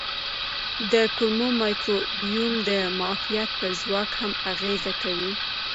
د کولمو مایکروبیوم د معافیت پر ځواک هم اغېز کوي.